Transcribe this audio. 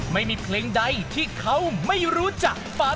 ไม่มีเพลงใดที่เขาไม่รู้จักฟัง